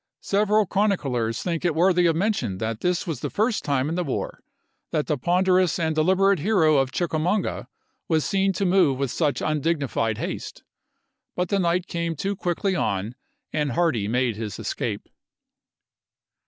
Several chroniclers think it worthy of men tion that this was the first time in the war that the ponderous and deliberate hero of Chickamauga was seen to move with such undignified haste; but the night came too quickly on, and Hardee made his escape.